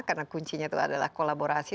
karena kuncinya itu adalah kolaborasi